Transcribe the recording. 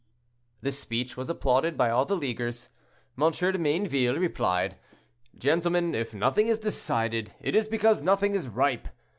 This speech was applauded by all the leaguers. M. de Mayneville replied, "Gentlemen, if nothing is decided, it is because nothing is ripe.